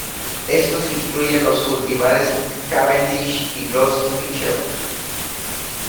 Estos incluyen los cultivares 'Cavendish' y 'Gros Michel'.